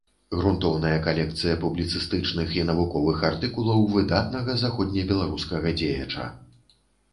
Грунтоўная калекцыя публіцыстычных і навуковых артыкулаў выдатнага заходнебеларускага дзеяча.